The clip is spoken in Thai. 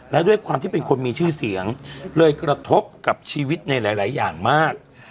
และด้วยความที่เป็นคนมีชื่อเสียงเลยกระทบกับชีวิตในหลายอย่างมาก